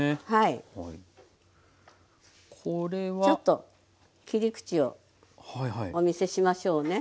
ちょっと切り口をお見せしましょうね。